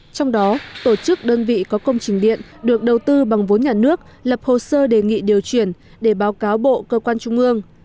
trong đó tổ chức đơn vị có công trình điện được đầu tư bằng vốn nhà nước lập hồ sơ đề nghị điều chuyển để báo cáo bộ cơ quan trung ương